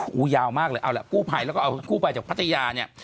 โอ้โหยาวมากเลยเอาล่ะกู้ภัยแล้วก็เอากู้ภัยจากพัทยาเนี่ย